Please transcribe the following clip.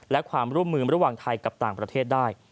และความร่วมมือระหว่างไทยกับต่างประเทศได้